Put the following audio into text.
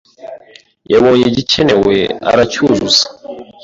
Yabonye igikenewe aracyuzuza.